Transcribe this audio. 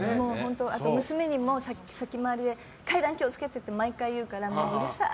あと娘にも先回りで階段気を付けてって毎回言うからうるさい！